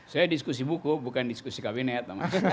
saya diskusi buku bukan diskusi kabinet